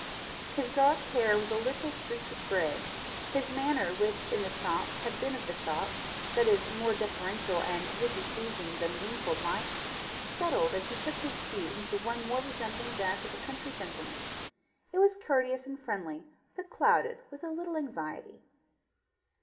His dark hair was a little streaked with gray. His manner, which, in the shop, had been of the shop, that is, more deferential and would be pleasing than Wingfold liked, settled as he took his seat into one more resembling that of a country gentleman. It was courteous and friendly, but clouded with a little anxiety.